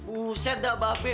usah mba be